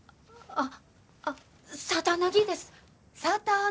あっ。